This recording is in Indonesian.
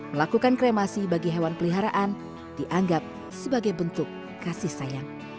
melakukan kremasi bagi hewan peliharaan dianggap sebagai bentuk kasih sayang